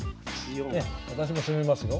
私も攻めますよ。